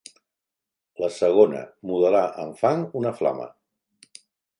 La segona, modelar en fang una flama